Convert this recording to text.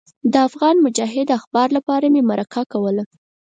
د افغان مجاهد اخبار لپاره مې مرکه کوله.